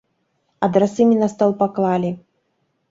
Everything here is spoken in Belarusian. Адрасы мне на стол паклалі.